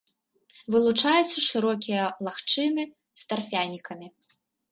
Вылучаюцца шырокія лагчыны з тарфянікамі.